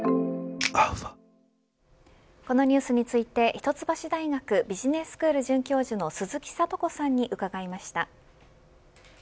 このニュースについて一橋大学ビジネススクール准教授の鈴木智子さんに伺いました。